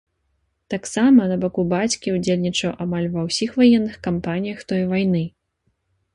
Таксама, на баку бацькі, ўдзельнічаў амаль ва ўсіх ваенных кампаніях той вайны.